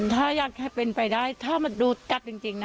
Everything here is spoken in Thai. ถ้าอยากให้เป็นไปได้ถ้ามันดูจัดจริงนะ